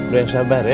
lo yang sabar ya